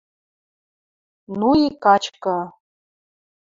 Ну и качкы.